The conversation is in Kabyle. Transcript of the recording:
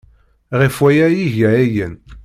Ɣef waya ay iga ayen.